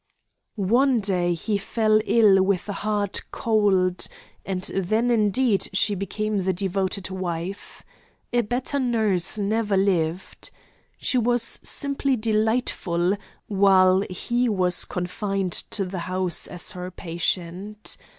One day he fell ill with a hard cold; and then indeed she became the devoted wife. A better nurse never lived. She was simply delightful, while he was confined to the house as her patient.